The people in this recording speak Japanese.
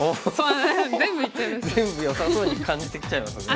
全部よさそうに感じてきちゃいますね。